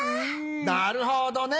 なるほどね！